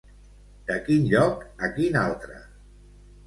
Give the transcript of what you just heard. De quin lloc a quin altre?